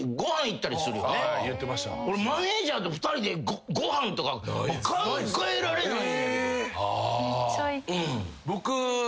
俺マネージャーと２人でご飯とか考えられない。